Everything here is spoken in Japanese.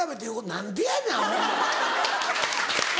何でやねんアホお前！